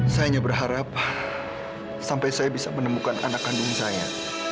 saya hanya berharap sampai saya bisa menemukan anak kandung saya